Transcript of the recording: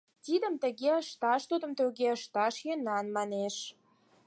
«Тидым тыге ышташ, тудым туге ышташ йӧнан», — манеш.